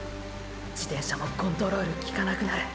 自転車もコントロール効かなくなる。